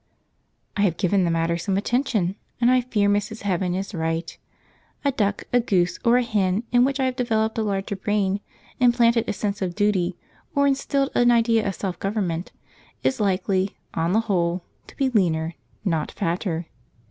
I have given the matter some attention, and I fear Mrs. Heaven is right. A duck, a goose, or a hen in which I have developed a larger brain, implanted a sense of duty, or instilled an idea of self government, is likely, on the whole, to be leaner, not fatter.